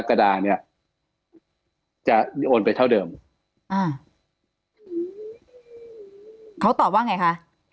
เขาตอบว่าไงค่ะ